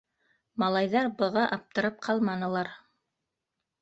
Малайҙар быға аптырап ҡалманылар.